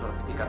gue minta dikit